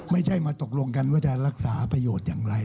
ไม่ใช่มาตกลงกันว่าจะรักษาประโยชน์อย่างไร